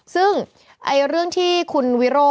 ซึ่งเรื่องที่คุณวิโรธ